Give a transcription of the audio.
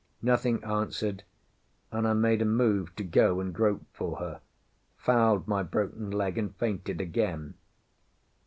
Nothing answered, and I made a move to go and grope for her, fouled my broken leg, and fainted again.